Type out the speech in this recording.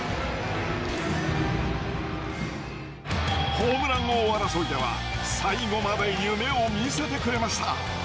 ホームラン王争いでは最後まで夢を見せてくれました。